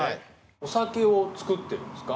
お酒を作ってるんですか？